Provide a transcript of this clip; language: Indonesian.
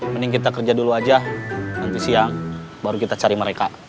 mending kita kerja dulu aja nanti siang baru kita cari mereka